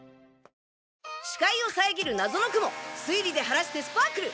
視界を遮る謎の雲推理で晴らしてスパークル！